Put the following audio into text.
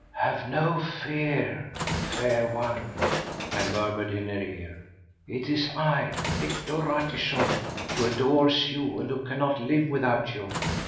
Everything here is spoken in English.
"Have no fear, fair one," I murmured in her ear. "It is I, Hector Ratichon, who adores you and who cannot live without you!